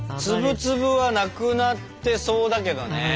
粒々はなくなってそうだけどね。